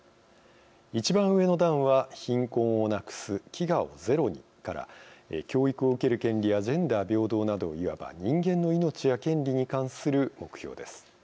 一番上の段は「貧困をなくす」「飢餓をゼロに」から「教育を受ける権利」や「ジェンダー平等」などいわば人間の命や権利に関する目標です。